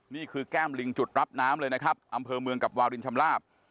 แก้มลิงจุดรับน้ำเลยนะครับอำเภอเมืองกับวารินชำลาบ